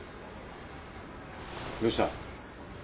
どうした？